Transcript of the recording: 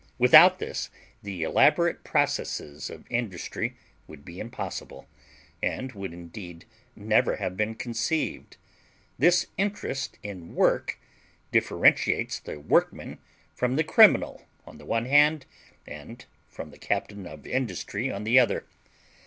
Without this the elaborate processes of industry would be impossible, and would, indeed, never have been conceived. This interest in work differentiates the workman from the criminal on the one hand, and from the captain of industry on the other.